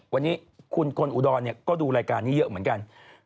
วันนี้คนอูดรนด์เนี่ยก็ดูรายการนี้เยอะเหมือนกัน